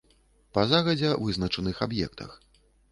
Па загадзя вызначаных аб'ектах.